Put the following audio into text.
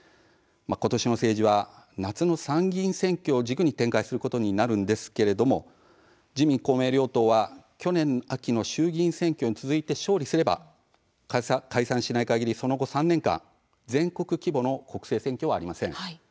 ことしの政治は夏の参議院選挙を軸に展開することになるんですけれども自民公明両党は去年秋の衆議院選挙に続いて勝利すれば解散しないかぎりその後、３年間全国規模の国政選挙はありません。